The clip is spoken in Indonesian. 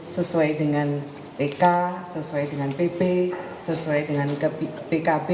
sesuai dengan pk sesuai dengan pp